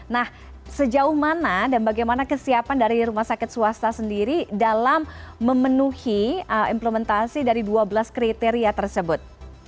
nah sejauh mana dan bagaimana kesiapan dari rumah sakit swasta sendiri dalam memenuhi implementasi dari dua belas kriteria tersebut